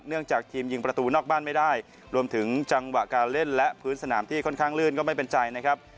จากทีมยิงประตูนอกบ้านไม่ได้รวมถึงจังหวะการเล่นและพื้นสนามที่ค่อนข้างลื่นก็ไม่เป็นใจนะครับ